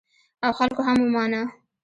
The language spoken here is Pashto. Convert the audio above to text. او خلکو هم ومانه.